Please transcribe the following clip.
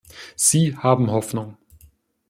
Sie haben Hoffnung.